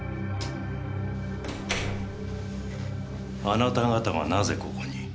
あなた方がなぜここに？